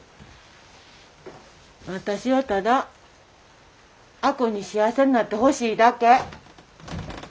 私はただ亜子に幸せになってほしいだけ。